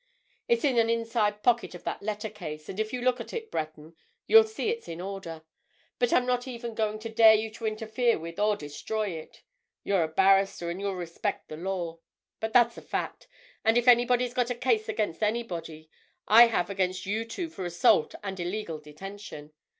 It's in an inside pocket of that letter case, and if you look at it, Breton, you'll see it's in order. I'm not even going to dare you to interfere with or destroy it—you're a barrister, and you'll respect the law. But that's a fact—and if anybody's got a case against anybody, I have against you two for assault and illegal detention.